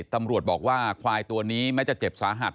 ตำรวจบอกว่าควายตัวนี้แม้จะเจ็บสาหัส